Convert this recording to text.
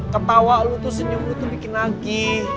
ketawa lu tuh senyum lu tuh bikin nagih